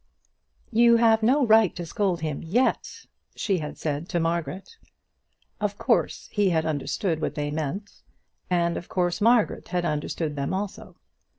"You have no right to scold him yet," she had said to Margaret. Of course he had understood what they meant, and of course Margaret had understood them also.